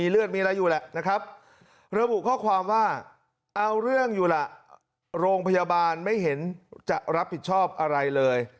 ระบุข้อความว่าเอาเรื่องอยู่ล่ะโรงพยาบาลไม่เห็นจะรับผิดชอบอะไรเลย